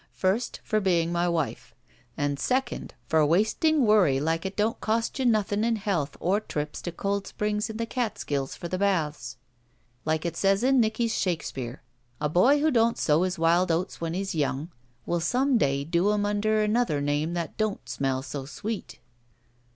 Pirst, for being my wife; and second, for wasting worry like it don't cost you nothing in healtii or trips to Cold Springs in the Catsldlls for the baths. Like it says in Nicky's Shakespeare, a boy who don't sow his wild oats when he's young will some day do 'em under another name that don't smell so sweet."